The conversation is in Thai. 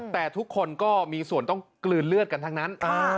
แต่ทุกคนก็มีส่วนต้องกลืนเลือดกันทั้งนั้น